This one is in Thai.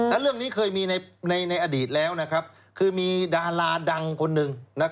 และเรื่องนี้เคยมีในอดีตแล้วคือมีดาราดังคนหนึ่ง